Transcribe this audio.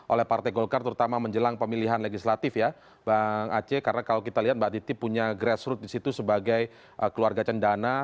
oleh partai golkar terutama menjelang pemilihan legislatif ya bang aceh karena kalau kita lihat mbak titi punya grassroot disitu sebagai keluarga cendana